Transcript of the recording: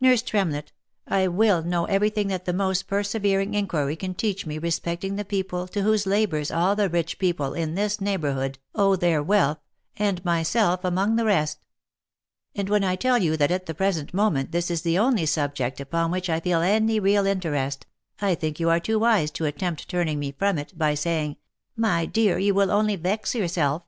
Nurse Tremlett, I will know every thing that the most persevering inquiry can teach me respecting the people to whose labours all the rich people in this neighbourhood owe their wealth, and myself among the rest. And when I tell you that at the present moment this is the only subject upon which I feel any real interest, I think you are too wise to attempt turning me from it, by saying, < My dear you will only vex yourself.'